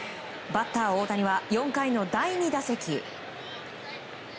バッター大谷は４回の第２打席。